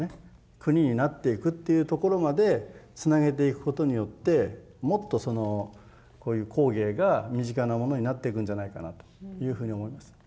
国になっていくというところまでつなげていくことによってもっとそのこういう工芸が身近なものになっていくんじゃないかなというふうに思います。